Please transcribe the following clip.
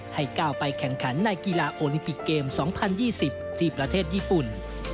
ให้ก้าวไปแข่งขันในกีฬาโอลิมปิกเกม๒๐๒๐ที่ประเทศญี่ปุ่น